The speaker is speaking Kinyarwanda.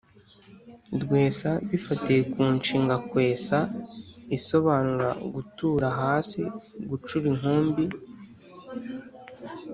rwesa: bifatiye ku inshinga “kwesa” isobanura gutura hasi, gucura inkumbi,